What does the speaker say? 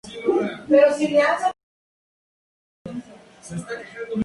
Contiene semillas con amplias alas.